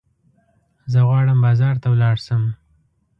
زه غواړم بازار ته ولاړ شم.